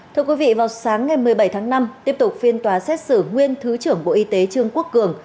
thưa quý vị vào sáng ngày một mươi bảy tháng năm tiếp tục phiên tòa xét xử nguyên thứ trưởng bộ y tế trương quốc cường